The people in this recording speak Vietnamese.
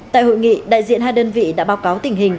tại hội nghị đại diện hai đơn vị đã báo cáo tình hình